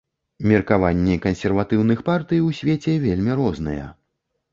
Меркаванні кансерватыўных партый у свеце вельмі розныя.